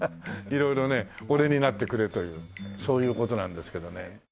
色々ね俺になってくれというそういう事なんですけどね。